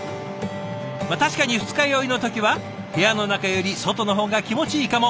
まっ確かに二日酔いの時は部屋の中より外の方が気持ちいいかも。